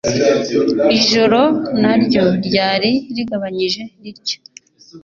Ijoro naryo ryari rigabanyije ritya